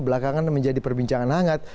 belakangan menjadi perbincangan hangat